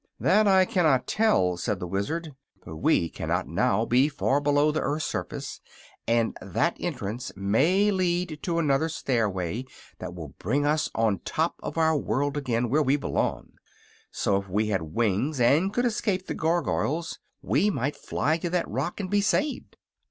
"That I cannot tell," said the Wizard; "but we cannot now be far below the earth's surface, and that entrance may lead to another stairway that will bring us on top of our world again, where we belong. So, if we had the wings, and could escape the Gargoyles, we might fly to that rock and be saved."